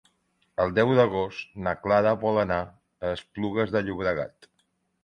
El deu d'agost na Clara vol anar a Esplugues de Llobregat.